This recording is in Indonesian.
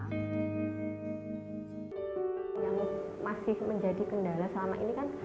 yang masih menjadi kendala selama ini kan